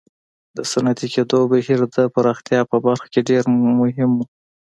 د صنعتي کېدو بهیر د پراختیا په برخه کې ډېر مهم و.